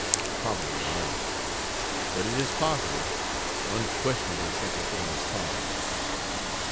Probably not. But it is possible unquestionably such a thing is possible.